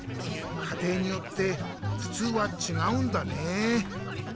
かていによってふつうはちがうんだね。